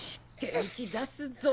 元気出すぞ！